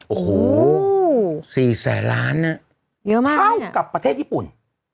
โอ้โห๔แสนล้านนะเยอะมากเท่ากับประเทศญี่ปุ่น